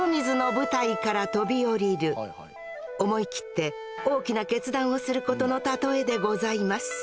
思い切って大きな決断をすることの例えでございます